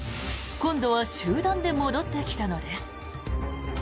今度は集団で戻ってきたのです。